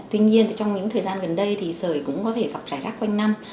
tuy nhiên đây sởi cũng có thể gặp trải rắc quanh năm